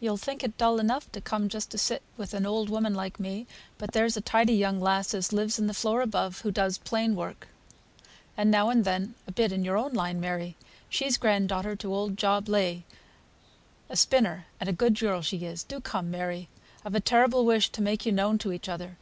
"You'll think it dull enough to come just to sit with an old woman like me, but there's a tidy young lass as lives in the floor above, who does plain work, and now and then a bit in your own line, Mary; she's grand daughter to old Job Legh, a spinner, and a good girl she is. Do come, Mary! I've a terrible wish to make you known to each other.